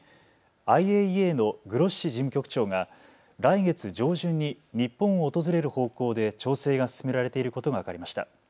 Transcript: ＩＡＥＡのグロッシ事務局長が来月上旬に日本を訪れる方向で調整が進められていることが分かりました。